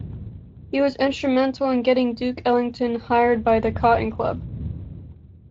He was instrumental in getting Duke Ellington hired by the Cotton Club.